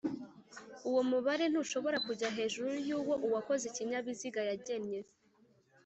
uwo mubare ntushobora kujya hejuru y'uwo uwakoze ikinyabiziga yagennye.